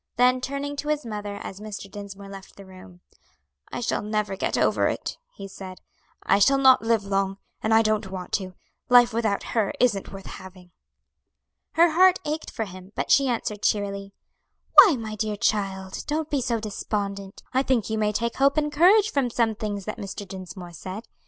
Then, turning to his mother, as Mr. Dinsmore left the room, "I shall never get over it," he said. "I shall not live long, and I don't want to; life without her isn't worth having." Her heart ached for him, but she answered cheerily: "Why, my dear child, don't be so despondent; I think you may take hope and courage from some things that Mr. Dinsmore said.